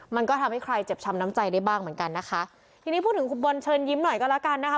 มันก็ทำให้ใครเจ็บช้ำน้ำใจได้บ้างเหมือนกันนะคะทีนี้พูดถึงคุณบอลเชิญยิ้มหน่อยก็แล้วกันนะคะ